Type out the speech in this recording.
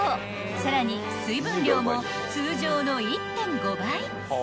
［さらに水分量も通常の１．５倍］